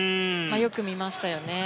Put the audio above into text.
よく見ましたよね。